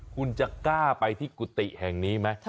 คุณจะกล้าไปที่กุฏิแห่งนี้ไหม